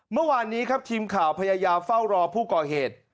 เมื่อวานนี้ครับทีมข่าวพยายามเฝ้ารอผู้ก่อเหตุ